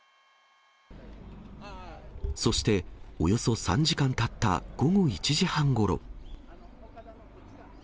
そして、およそ３時間たった午後１時半ごろ。